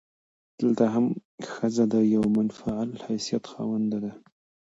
دلته هم ښځه د يوه منفعل حيثيت خاونده ده.